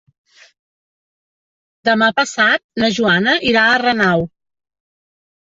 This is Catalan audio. Demà passat na Joana irà a Renau.